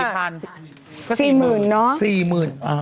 ก็๔๐๐๐๐เนาะ